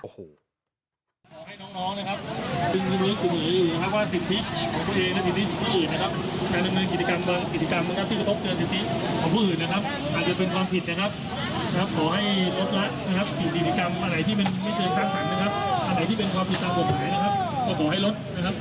ขอให้ลดนะครับและขอยุติการผิดกรรมนะครับ